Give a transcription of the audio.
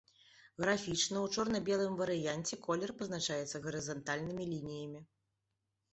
Графічна ў чорна-белым варыянце колер пазначаецца гарызантальнымі лініямі.